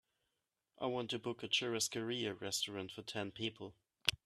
I want to book a churrascaria restaurant for ten people.